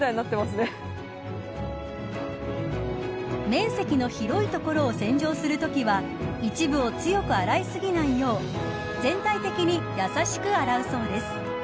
面積の広い所を洗浄するときは一部を強く洗いすぎないよう全体的にやさしく洗うそうです。